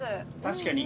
確かに。